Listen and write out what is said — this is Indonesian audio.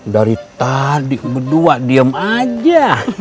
dari tadi berdua diem aja